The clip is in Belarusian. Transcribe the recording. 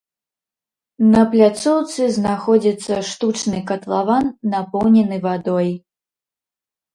На пляцоўцы знаходзіцца штучны катлаван, напоўнены вадой.